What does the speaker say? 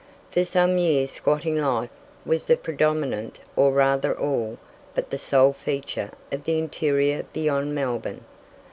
For some years squatting life was the predominant or rather all but the sole feature of the interior beyond Melbourne.